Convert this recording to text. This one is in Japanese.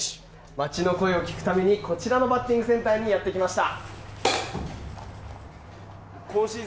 街の声を聞くためにこちらのバッティングセンターにやってきました。